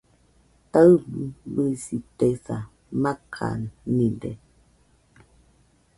Taɨbɨsitesa , makanide